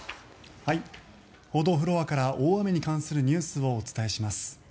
報道フロアから大雨に関するニュースをお伝えします。